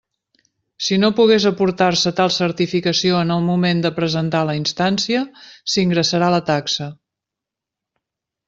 Si no pogués aportar-se tal certificació en el moment de presentar la instància, s'ingressarà la taxa.